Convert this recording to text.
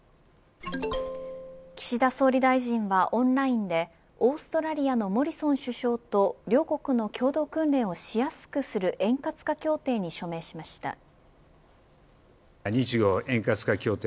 岸田総理大臣は、オンラインでオーストラリアのモリソン首相と両国の共同訓練をしやすくする円滑化協定に署名しました。